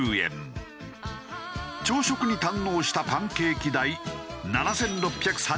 朝食に堪能したパンケーキ代７６３０円。